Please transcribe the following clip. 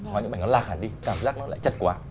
hoặc những ảnh nó lạc hẳn đi cảm giác nó lại chật quá